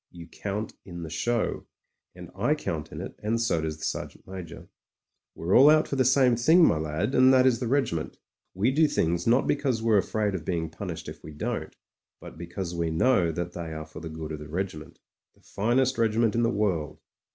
You count in the show, and I count in it, and so does the Sergeant Major. We're all out for the same thing, my lad, and that is the regiment. We do things not because we're afraid of being pimished if we don't, but because we know that they are for the good of the regiment — ^the finest regiment in the world.